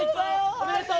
おめでとう！